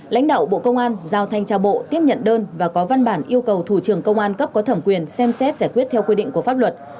lãnh đạo bộ công an giao thanh trao bộ tiếp nhận đơn và có văn bản yêu cầu thủ trưởng công an cấp có thẩm quyền xem xét giải quyết theo quy định của pháp luật